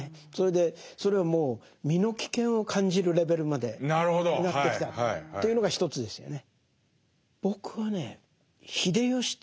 それはもう身の危険を感じるレベルまでなってきたというのが一つですよね。